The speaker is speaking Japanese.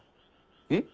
えっ？